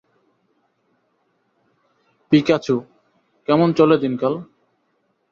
Pikachu, কেমন চলে দিনকাল?